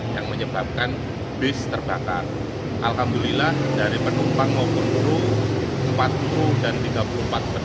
km tujuh ratus lima berada di bagian bawah kanan